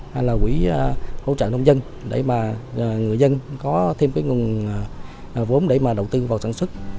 hay là quỹ hỗ trợ nông dân để mà người dân có thêm cái nguồn vốn để mà đầu tư vào sản xuất